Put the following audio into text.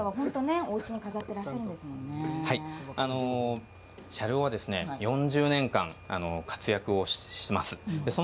好きな方はおうちに飾って車両は４０年間活躍をします。